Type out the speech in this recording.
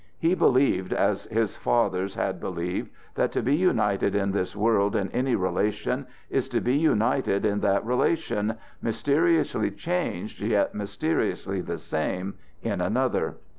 He believed as his fathers had believed, that to be united in this world in any relation is to be united in that relation, mysteriously changed yet mysteriously the same, in another.